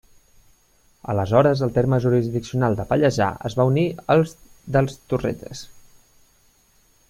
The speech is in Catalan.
Aleshores el terme jurisdiccional de Pallejà es va unir als dels Torrelles.